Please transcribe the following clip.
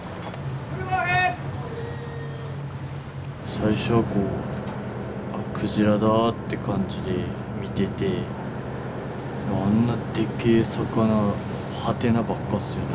最初はこう鯨だって感じで見ててあんなでっけ魚はてなばっかっすよね